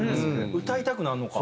歌いたくなるのか。